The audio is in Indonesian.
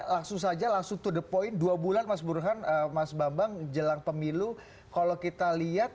langsung saja langsung to the point dua bulan mas burhan mas bambang jelang pemilu kalau kita lihat